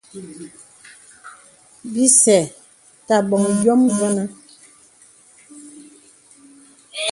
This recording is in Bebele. Bìsê tà bòŋ yòm vənə.